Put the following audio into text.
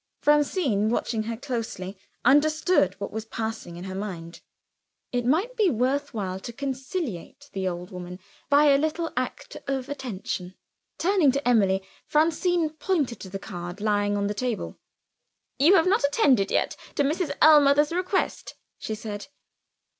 Francine, watching her closely, understood what was passing in her mind. It might be worth while to conciliate the old woman by a little act of attention. Turning to Emily, Francine pointed to the card lying on the table. "You have not attended yet to Mr. Ellmother's request," she said.